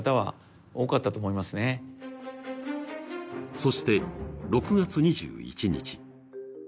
そして６月２１日。